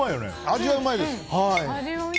味はうまいです。